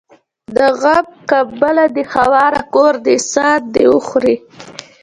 د غم کمبله دي هواره کور دي ساندي وخوري